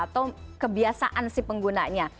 atau kebiasaan si penggunanya